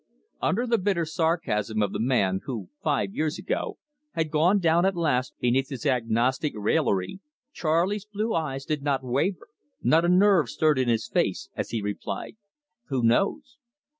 '" Under the bitter sarcasm of the man, who, five years ago, had gone down at last beneath his agnostic raillery, Charley's blue eye did not waver, not a nerve stirred in his face, as he replied: "Who knows!"